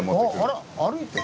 あら歩いて。